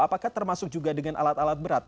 apakah termasuk juga dengan alat alat berat